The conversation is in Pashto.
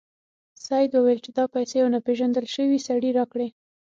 سید وویل چې دا پیسې یو ناپيژندل شوي سړي راکړې.